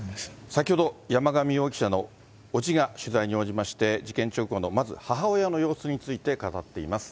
先ほど、山上容疑者の伯父が取材に応じまして、事件直後の、まず母親の様子について語っています。